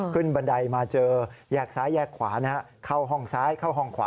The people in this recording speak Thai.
บันไดมาเจอแยกซ้ายแยกขวานะฮะเข้าห้องซ้ายเข้าห้องขวา